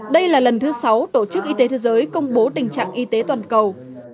đây là lần thứ sáu tổ chức y tế thế giới công bố tình trạng y tế toàn cầu